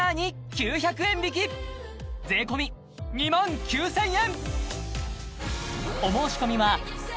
９００円引き税込２９０００円